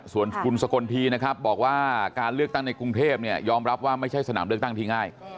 ส่วนคุณสกลทีนะครับบอกว่าการเลือกตั้งในกรุงเทพเนี่ยยอมรับว่าไม่ใช่สนามเลือกตั้งที่ง่าย